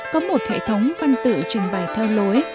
có một hệ thống văn tự trưng bày theo lối